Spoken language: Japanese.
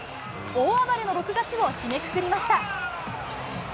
大暴れの６月を締めくくりました。